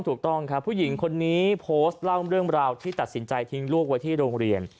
ถูกต้องครับผู้หญิงคนนี้โพสต์เล่าเรื่องราวที่ตัดสินใจทิ้งลูกไว้ที่โรงเรียน